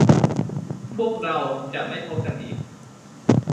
พวกเราจะไม่พบกันอีก